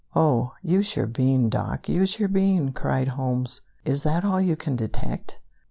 "Oh, use your bean, Doc, use your bean!" cried Holmes. "Is that all you can detect?"